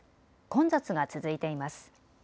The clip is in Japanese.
混雑が続いています。